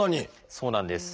そうなんです。